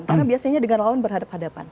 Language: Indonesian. karena biasanya dengan lawan berhadapan